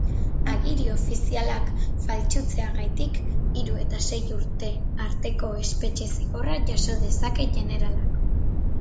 Agiri ofizialak faltsutzeagatik hiru eta sei urte arteko espetxe-zigorra jaso dezake jeneralak.